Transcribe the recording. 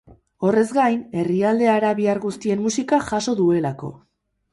Horrez gain, herrialde arabiar guztien musika jaso duelako.